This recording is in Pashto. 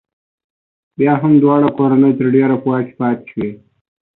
بیا هم دواړه کورنۍ تر ډېره په واک کې پاتې شوې.